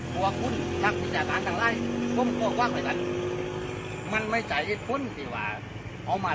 กลัวคุณทักวิจัยภาคทางไร้มันไม่ใจเอ็ดคุณสิว่าเอามา